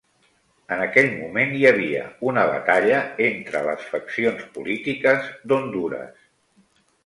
En aquell moment, hi havia una batalla entre les faccions polítiques d'Hondures.